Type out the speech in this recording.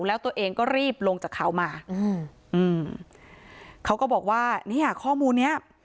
แล้วตัวเองก็รีบลงจากเขามาเขาก็บอกว่านี่ค่ะข้อมูลนี้